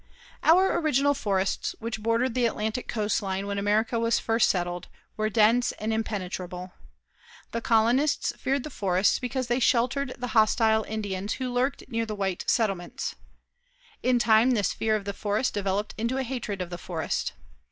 Our original forests which bordered the Atlantic coast line when America was first settled, were dense and impenetrable. The colonists feared the forests because they sheltered the hostile Indians who lurked near the white settlements. In time this fear of the forest developed into hatred of the forest.